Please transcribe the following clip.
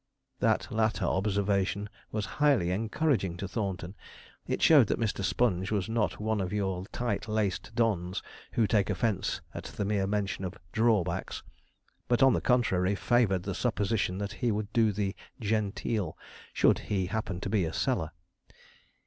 That latter observation was highly encouraging to Thornton. It showed that Mr. Sponge was not one of your tight laced dons, who take offence at the mere mention of 'drawbacks,' but, on the contrary, favoured the supposition that he would do the 'genteel,' should he happen to be a seller.